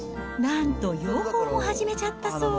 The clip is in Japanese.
なんと養蜂も始めちゃったそう。